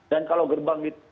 dan kalau gerbang